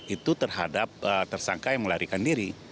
itu terhadap tersangka yang melarikan diri